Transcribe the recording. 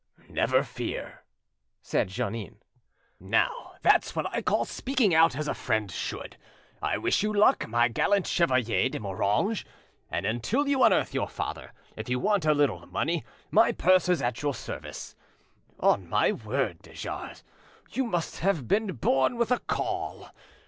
"Never fear," said Jeannin. "Now, that's what I call speaking out as a friend should. I wish you luck, my gallant Chevalier de Moranges, and until you unearth your father, if you want a little money, my purse is at your service. On my word, de Jars, you must have been born with a caul.